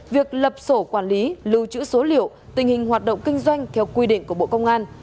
việc lập sổ quản lý lưu trữ số liệu tình hình hoạt động kinh doanh theo quy định của bộ công an